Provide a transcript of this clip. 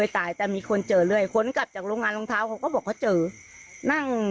แต่มีคนเจอเลยคนกลับจากโรงงานลงเท้าเขาบอกเขาเจอนั่ง